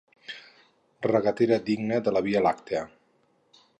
Regatera digna de la via làctia.